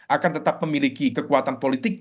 akan tetap memiliki kekuatan politik